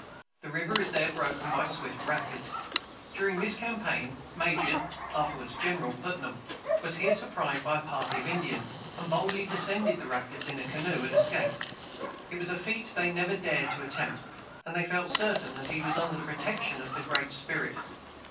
The river is there broken by swift rapids. During this campaign, Major (afterward General) Putnam was here surprised by a party of Indians, and boldly descended the rapids in a canoe, and escaped. It was a feat they never dared to attempt, and they felt certain that he was under the protection of the Great Spirit.